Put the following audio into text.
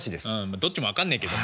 どっちも分かんねえけども。